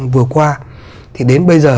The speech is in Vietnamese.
vừa qua thì đến bây giờ